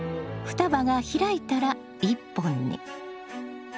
双葉が開いたら１本に。